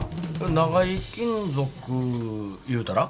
長井金属いうたら。